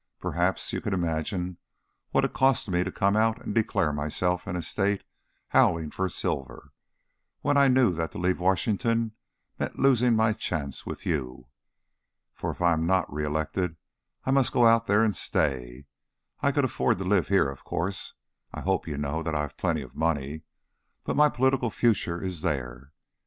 Perhaps you can imagine what it cost me to come out and declare myself in a State howling for Silver, when I knew that to leave Washington meant losing my chance with you. For if I am not re elected I must go out there and stay. I could afford to live here, of course I hope you know that I have plenty of money but my political future is there.